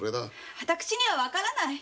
私には分からない！